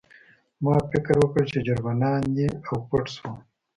ما فکر وکړ چې جرمنان دي او پټ شوم